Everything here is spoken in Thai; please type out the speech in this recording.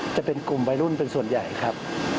จะเป็นกลุ่มวัยรุ่นเป็นส่วนใหญ่ครับ